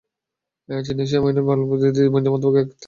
চীন, এশিয়া-মাইনর ও মালয়-দ্বীপপুঞ্জের মধ্যভাগে এখনও তাহার চিহ্ন বর্তমান।